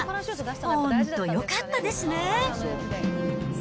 本当よかったですね。